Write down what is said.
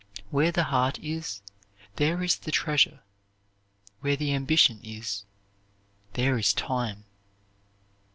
Where the heart is, there is the treasure. Where the ambition is, there is time.